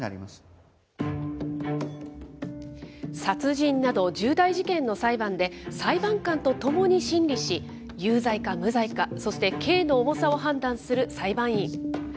殺人など、重大事件の裁判で、裁判官と共に審理し、有罪か無罪か、そして刑の重さを判断する裁判員。